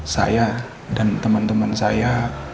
saya dan teman teman saya